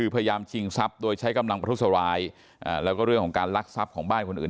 พยายามชิงทรัพย์โดยใช้กำลังประทุษร้ายแล้วก็เรื่องของการลักทรัพย์ของบ้านคนอื่น